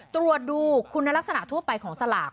ตรวจดูคุณลักษณะทั่วไปของสลาก